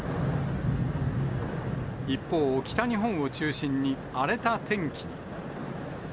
一方、北日本を中心に荒れた天気に。